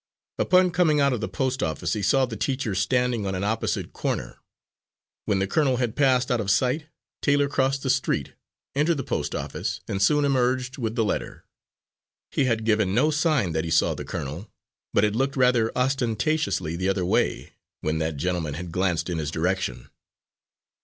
Upon coming out of the post office he saw the teacher standing on an opposite corner. When the colonel had passed out of sight, Taylor crossed the street, entered the post office, and soon emerged with the letter. He had given no sign that he saw the colonel, but had looked rather ostentatiously the other way when that gentleman had glanced in his direction.